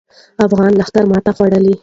افغاني لښکر ماتې خوړله.